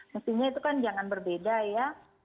mestinya itu kan jangan berbeda ya